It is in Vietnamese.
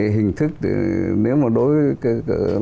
hình thức nếu mà đối với